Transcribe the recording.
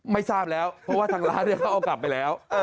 ไม่ทราบแล้วเพราะว่าทางร้านเขาเอากลับไปแล้ว